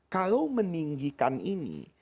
kalau meninggikan ini